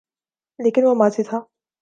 لیکن وہ ماضی تھا۔